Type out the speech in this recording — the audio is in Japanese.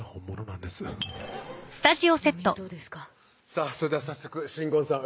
さぁそれでは早速新婚さん